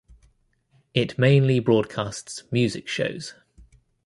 It mainly broadcasts Music shows.